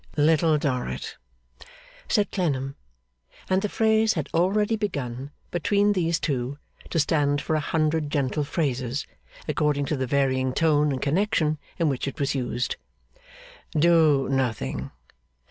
'Little Dorrit,' said Clennam; and the phrase had already begun, between these two, to stand for a hundred gentle phrases, according to the varying tone and connection in which it was used; 'do nothing.